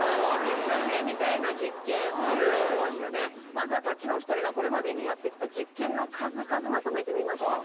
まずはたっちのお二人がこれまでにやってきた実験の数々まとめてみました。